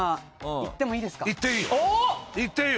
いっていいよ。